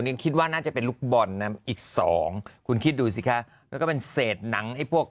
ยังคิดว่าน่าจะเป็นลูกบอลนะอีกสองคุณคิดดูสิคะแล้วก็เป็นเศษหนังไอ้พวก